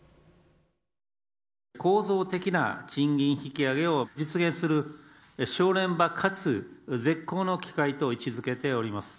構造的な賃金引き上げを実現する正念場かつ絶好の機会と位置づけています。